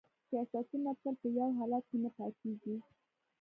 سیاستونه تل په یو حالت کې نه پاتیږي